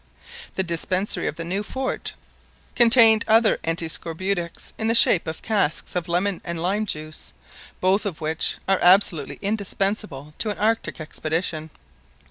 The dispensary of the new fort contained other antiscorbutics, in the shape of casks of lemon and lime juice, both of which are absolutely indispensable to an Arctic expedition.